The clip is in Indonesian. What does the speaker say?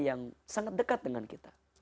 yang sangat dekat dengan kita